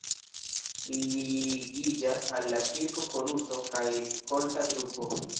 Ligiĝas al la kirko koruso kaj skolta grupo.